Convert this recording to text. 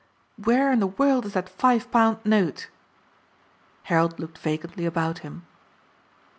"Where in the world is that five pound note?" Harold looked vacantly about him.